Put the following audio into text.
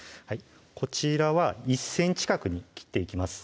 こちらは１ｃｍ角に切っていきます